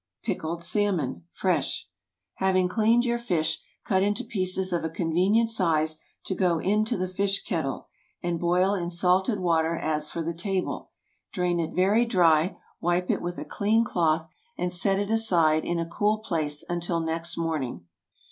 PICKLED SALMON. (Fresh.) ✠ Having cleaned your fish, cut into pieces of a convenient size to go into the fish kettle, and boil in salted water as for the table. Drain it very dry, wipe it with a clean cloth, and set it aside in a cool place until next morning.